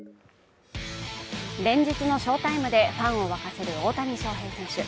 連日の翔タイムでファンを沸かせる大谷翔平選手。